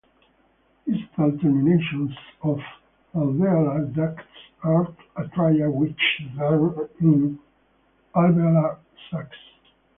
Distal terminations of alveolar ducts are atria which then end in alveolar sacs.